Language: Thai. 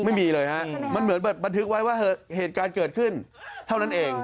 ไม่มีเลยฮะมันเหมือนบันทึกไว้ว่าเหตุการณ์เกิดขึ้นเท่านั้นเอง